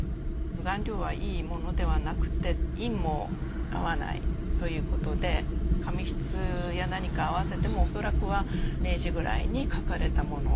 顔料はいいものではなくて印も合わないということで紙質や何かを合わせてもおそらくは明治くらいに描かれたもの。